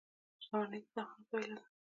• شتمني د زحمت پایله ده.